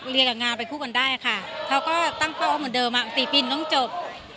เรียนกับงานไปคู่กันได้ค่ะเขาก็ตั้งเป้าเหมือนเดิมอะสี่ปีนต้องเจ็บ